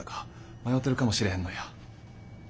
迷てるかもしれへんのや。